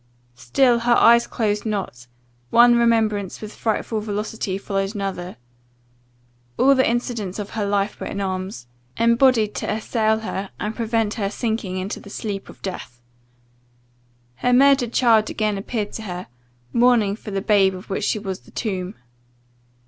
"Still her eyes closed not one remembrance with frightful velocity followed another All the incidents of her life were in arms, embodied to assail her, and prevent her sinking into the sleep of death. Her murdered child again appeared to her, mourning for the babe of which she was the tomb.